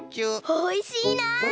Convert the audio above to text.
おいしいな！